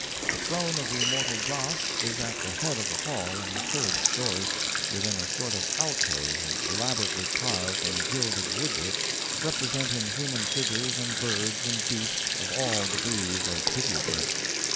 The throne of the immortal Josh is at the head of the hall in the third story, within a sort of alcove of elaborately carved and gilded woodwork, representing human figures and birds and beasts of all degrees of hideousness.